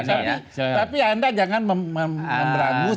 tapi anda jangan memberangus